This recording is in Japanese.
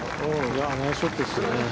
ナイスショットですよね。